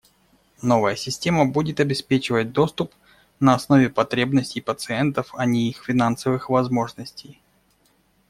Новая система будет обеспечивать доступ на основе потребностей пациентов, а не их финансовых возможностей.